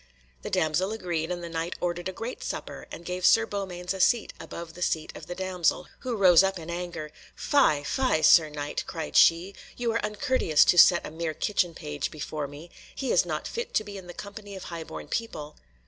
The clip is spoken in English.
The damsel agreed, and the Knight ordered a great supper, and gave Sir Beaumains a seat above the seat of the damsel, who rose up in anger. "Fie! fie! Sir Knight," cried she, "you are uncourteous to set a mere kitchen page before me; he is not fit to be in the company of highborn people."